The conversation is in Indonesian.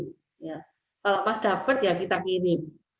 kalau pas dapat ya kita kirim